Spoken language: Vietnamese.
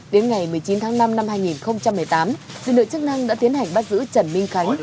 đến ngày một mươi chín tháng năm năm hai nghìn một mươi tám lực lượng chức năng đã tiến hành bắt giữ trần minh khánh